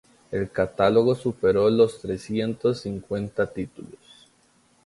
El catálogo superó los trescientos cincuenta títulos.